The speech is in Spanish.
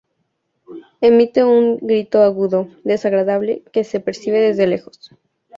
Emite un grito agudo, desagradable, que se percibe desde lejos.